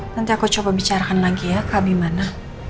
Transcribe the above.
nanti aku coba bicarkan lagi ya kak gimana